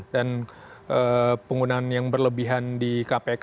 dan penggunaan yang berlebihan di kpk